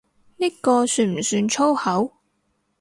呢個算唔算粗口？